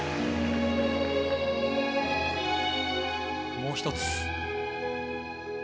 もう一つ。